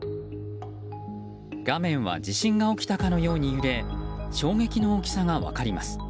画面は地震が起きたかのように揺れ衝撃の大きさが分かります。